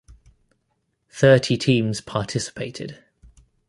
Thirty teams participated.